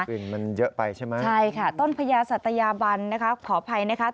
กลิ่นมันเยอะไปใช่ไหมใช่ค่ะต้นพญาสัตยาบันนะคะขออภัยนะคะ